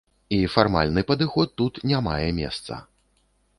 І фармальны падыход тут не мае месца.